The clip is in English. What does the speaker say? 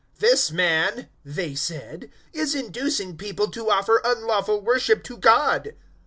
018:013 "This man," they said, "is inducing people to offer unlawful worship to God."